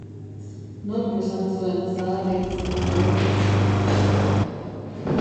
Nork esan zuen zahar hitz, zuhur hitz?